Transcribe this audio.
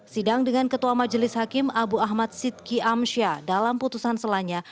sidang dengan ketua majelis hakim abu ahmad sidki amsyah dalam putusan selanya